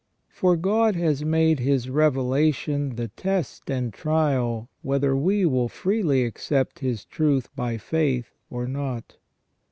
For God has made His revelation the test and trial whether we will freely accept His truth by faith or not.